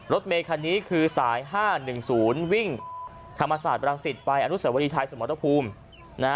รถเมคันนี้คือสาย๕๑๐วิ่งธรรมศาสตร์บรังสิตไปอนุสวรีชายสมรภูมินะฮะ